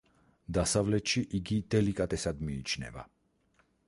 დასავლეთში იგი დელიკატესად მიიჩნევა.